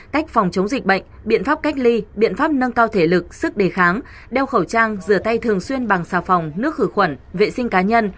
cách phòng chống dịch bệnh biện pháp cách ly biện pháp nâng cao thể lực sức đề kháng đeo khẩu trang rửa tay thường xuyên bằng xà phòng nước khử khuẩn vệ sinh cá nhân